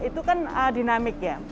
itu kan dinamik ya